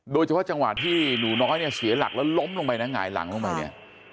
โดยเฉพาะจังหวะที่หนูน้อยเนี่ยเสียหลักแล้วล้มลงไปนะหงายหลังลงไปเนี่ย